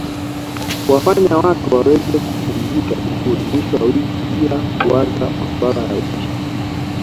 kuwafanya watu waweze kupumzika vizuri mwisho wa wiki bilaa kuwaza masuala ya upishi